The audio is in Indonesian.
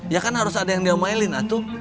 ya kan harus ada yang diamailin atu